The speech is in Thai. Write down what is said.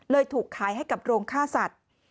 ถูกขายให้กับโรงฆ่าสัตว์